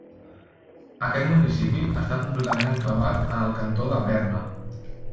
Aquest municipi està completament enclavat en el Cantó de Berna.